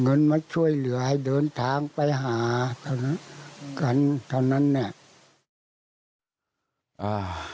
เงินมาช่วยเหลือให้เดินทางไปหากันชะนั้นเน่ะ